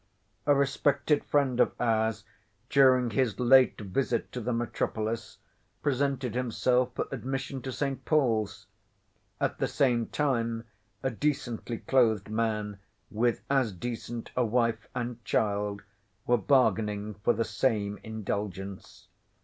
—A respected friend of ours, during his late visit to the metropolis, presented himself for admission to Saint Paul's. At the same time a decently clothed man, with as decent a wife, and child, were bargaining for the same indulgence.